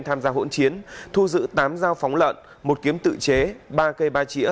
tham gia hỗn chiến thu giữ tám dao phóng lợn một kiếm tự chế ba cây ba chỉa